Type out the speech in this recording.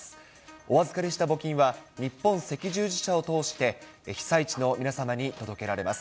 お預かりした募金は、日本赤十字社を通して被災地の皆様に届けられます。